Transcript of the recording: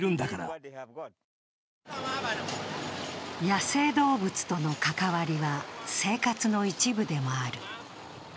野生動物との関わりは生活の一部でもある。